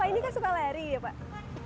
ini kan suka lari ya pak